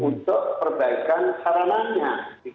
untuk perbaikan haramannya